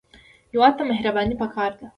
هېواد ته مهرباني پکار ده